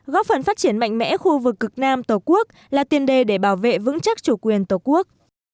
góp phần phát triển mạnh mẽ khu vực cực nam tổ quốc là tiền đề để bảo vệ vững chắc chủ quyền tổ quốc